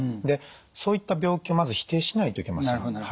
でそういった病気をまず否定しないといけません。